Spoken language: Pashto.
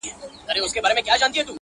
پر غوولي کوس سندري نه ويل کېږي.